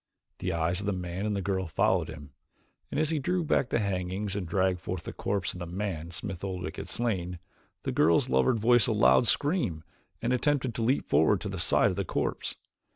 The eyes of the man and the girl followed him, and as he drew back the hangings and dragged forth the corpse of the man Smith Oldwick had slain, the girl's lover voiced a loud scream and attempted to leap forward to the side of the corpse.